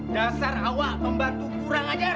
dasar awak membantu kurang ajar